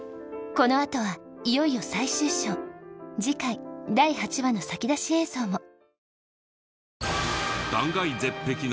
このあとはいよいよ最終章次回第８話の先出し映像を。